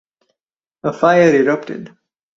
A fire erupted.